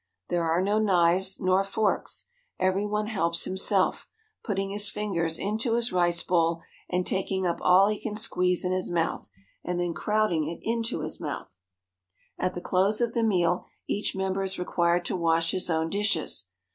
There are no knives nor forks. Every one helps himself, putting his fingers into his rice bowl, and taking up all he can squeeze in his hand, and then crowding it into his mouth. At the close of the meal each member is required to wash his own dishes.